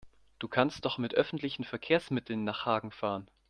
Du kannst doch mit öffentlichen Verkehrsmitteln nach Hagen fahren